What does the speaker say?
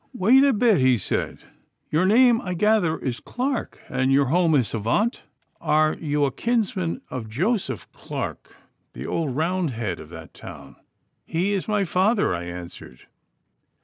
'Wait a bit!' he said; 'your name, I gather is Clarke, and your home is Havant. Are you a kinsman of Joseph Clarke, the old Roundhead of that town?' 'He is my father,' I answered.